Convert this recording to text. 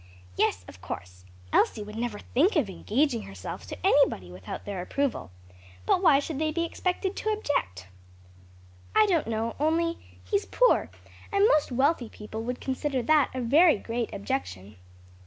"Yes, of course; Elsie would never think of engaging herself to anybody without their approval. But why should they be expected to object?" "I don't know, only he's poor, and most wealthy people would consider that a very great objection."